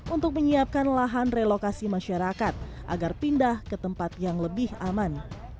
untuk menyiapkan lahan relokasi masyarakat agar pindah ke tempat yang lebih aman